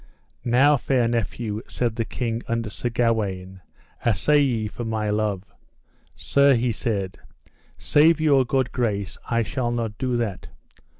Now, fair nephew, said the king unto Sir Gawaine, assay ye, for my love. Sir, he said, save your good grace I shall not do that.